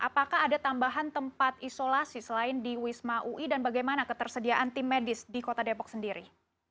apakah ada tambahan tempat isolasi selain di wisma ui dan bagaimana ketersediaan tim medis di kota depok sendiri